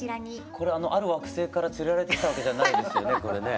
これあのある惑星から連れられてきたわけじゃないですよね？